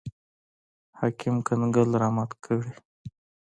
حاکم کنګل رامات کړي.